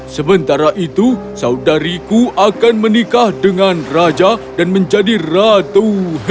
sementara itu saudariku akan menikah dengan raja dan menjadi ratu